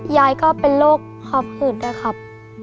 ยายก็เป็นโรคหอบหืดด้วยครับ